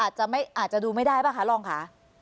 แล้วอย่างนี้อาจจะดูไม่ได้ไหมคะลองค่ะ